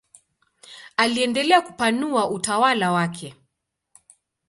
Aliendelea kupanua utawala wake.